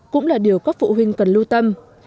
cũng là điều các phụ huynh cần lưu tâm